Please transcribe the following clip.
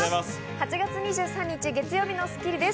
８月２３日、月曜日の『スッキリ』です。